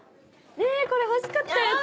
これ欲しかったやつ！